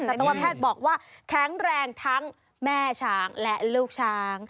ตวแพทย์บอกว่าแข็งแรงทั้งแม่ช้างและลูกช้าง